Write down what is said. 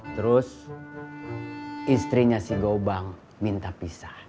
terus istrinya si gobang minta pisah